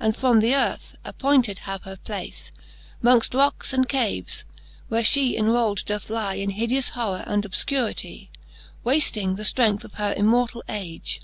And from the earth, appointed have her place, Mongft rocks and caves, where fiie enrold doth lie In hideous horrour and obfcuritie. Wafting the flrength of her immortall age.